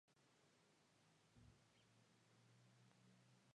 Al año siguiente obtienen la Consagración en el mismo festival.